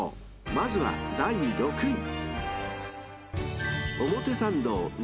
［まずは第６位］